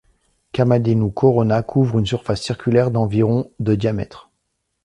Kamadhenu Corona couvre une surface circulaire d'environ de diamètre.